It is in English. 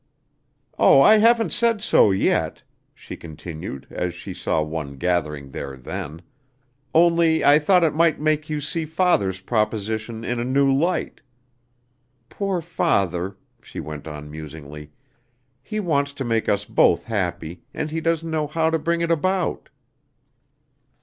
"Oh, I haven't said so yet," she continued as she saw one gathering there then, "only I thought it might make you see father's proposition in a new light. Poor father," she went on musingly, "he wants to make us both happy, and he doesn't know how to bring it about."